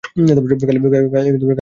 কালই জানতে পারবে।